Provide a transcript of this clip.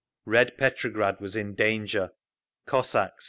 Red Petrograd was in danger! Cossacks!